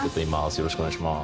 よろしくお願いします。